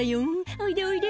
おいで、おいで。